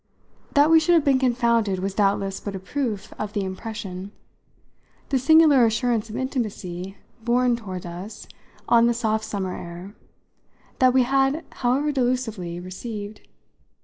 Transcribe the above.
That we should have been confounded was doubtless but a proof of the impression the singular assurance of intimacy borne toward us on the soft summer air that we had, however delusively, received.